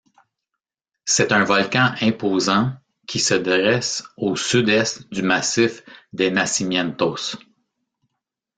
C'est un volcan imposant qui se dresse au sud-est du massif des Nacimientos.